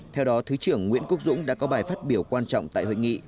theo đó thứ trưởng nguyễn quốc dũng đã có bài phát biểu quan trọng tại hội nghị